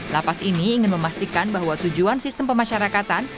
lapas ini ingin memastikan bahwa tujuan sistem pemasyarakatan